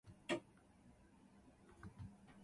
ｓｄｆｋｊｓｆｋｊ